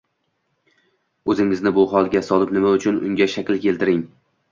O`zingni bu holga solib nima uchun Unga shak keltirding